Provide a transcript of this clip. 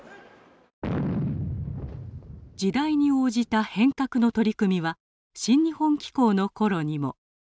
時代に応じた変革の取り組みは「新日本紀行」の頃にも。